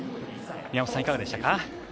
宮本さん、いかがでしたか。